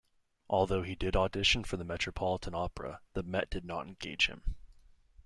Although he did audition for the Metropolitan Opera, the Met did not engage him.